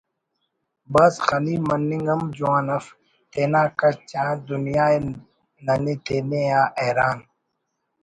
بھاز خنی مننگ ہم جوان اف تینا کچ آ دنیا ءِ ننے تینے آ حیران